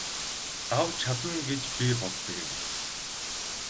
Лав чадна гэж би боддог юм.